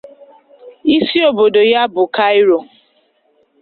Isi obodo ya bụ Cairo.